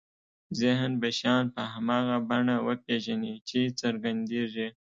ذهن به شیان په هماغه بڼه وپېژني چې څرګندېږي.